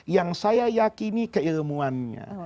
yang saya yakini keilmuannya